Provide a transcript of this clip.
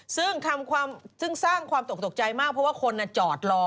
ซึ่งทำความซึ่งสร้างความตกตกใจมากเพราะว่าคนจอดรอ